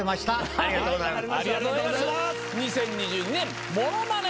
おめでとうございます！